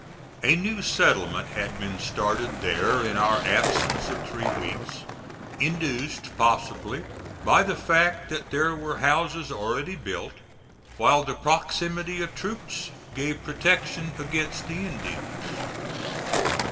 A new settlement had been started there in our absence of three weeks, induced possibly by the fact that there were houses already built, while the proximity of troops gave protection against the Indians.